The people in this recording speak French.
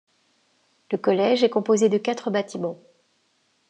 Le collège est composé de quatre bâtiments.